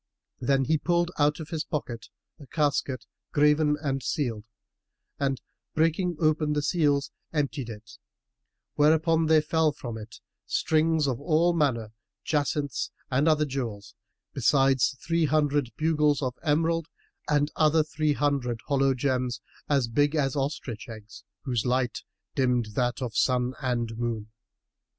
Then he pulled out of his pocket a casket, graven and sealed and, breaking open the seals, emptied it; whereupon there fell from it strings of all manner jacinths and other jewels, besides three hundred bugles of emerald and other three hundred hollow gems, as big as ostrich eggs, whose light dimmed that of sun and moon.